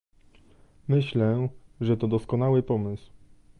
Myślę, że to doskonały pomysł